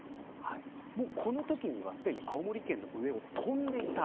このときにはすでに青森県の上を飛んでいた。